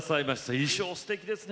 衣装すてきですね。